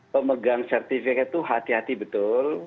pemegang sertifikat itu hati hati betul